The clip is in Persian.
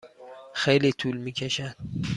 خیلی طول می کشد.